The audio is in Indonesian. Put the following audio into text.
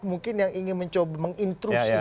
mungkin yang ingin mencoba mengintruksi